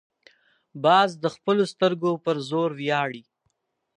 باز د خپلو سترګو پر زور ویاړي